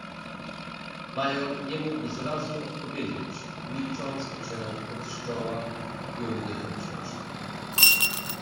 "Major nie mógł zrazu odpowiedzieć, milcząc ocierał pot z czoła i oddychał ciężko."